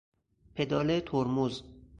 پدال ترمز